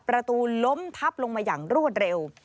ประตูล้มทับลงมาอย่างรวดเร็ว